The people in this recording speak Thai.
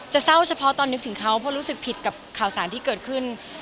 เศร้าเฉพาะตอนนึกถึงเขาเพราะรู้สึกผิดกับข่าวสารที่เกิดขึ้น